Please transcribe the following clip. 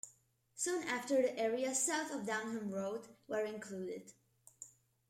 Soon after the areas south of Downham Road were included.